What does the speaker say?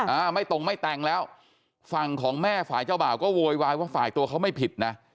อ่าไม่ตรงไม่แต่งแล้วฝั่งของแม่ฝ่ายเจ้าบ่าวก็โวยวายว่าฝ่ายตัวเขาไม่ผิดนะ